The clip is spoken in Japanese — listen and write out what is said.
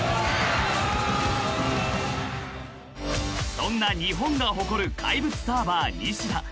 ［そんな日本が誇る怪物サーバー西田］